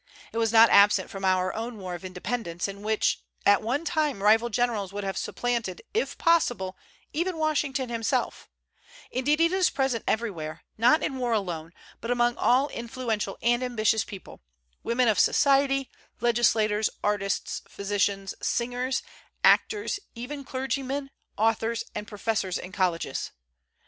It was not absent from our own war of Independence, in which at one time rival generals would have supplanted, if possible, even Washington himself; indeed, it is present everywhere, not in war alone, but among all influential and ambitious people, women of society, legislators, artists, physicians, singers, actors, even clergymen, authors, and professors in colleges.